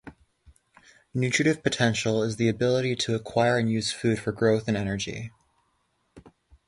Nutritive potential is the ability to acquire and use food for growth and energy.